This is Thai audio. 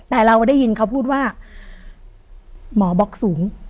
แต่เราได้ยินเขาพูดว่าหมอบล็อกสูง